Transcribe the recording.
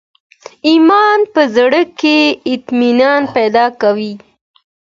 ایمان په زړه کي اطمینان پیدا کوي.